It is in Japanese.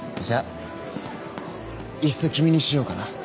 じゃあいっそ君にしようかな。